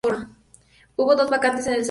Hubo dos vacantes en el Senado.